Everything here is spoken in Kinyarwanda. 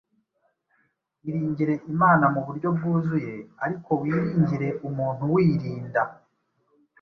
Iringire Imana mu buryo bwuzuye ariko wiringire umuntu wirinda.